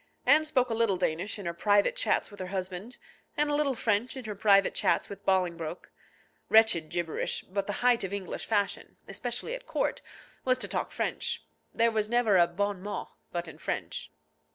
Anne spoke a little Danish in her private chats with her husband, and a little French in her private chats with Bolingbroke. Wretched gibberish; but the height of English fashion, especially at court, was to talk French. There was never a bon mot but in French.